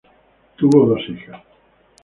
Tuvo dos hijas.